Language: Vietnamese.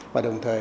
và đồng thời